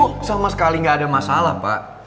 oh sama sekali nggak ada masalah pak